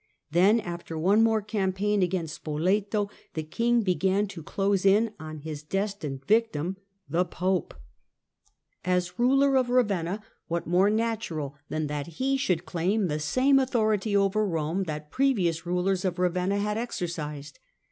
Then, after one more campaign against Ipoleto, the king began to close in on his destined ictim, the Pope. 126 THE DAWN OF MEDIAEVAL EUROPE As ruler of Eavenna, what more natural than that he should claim the same authority over Eome that previous rulers of Ravenna had exercised